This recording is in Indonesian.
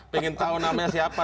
pengen tahu namanya siapa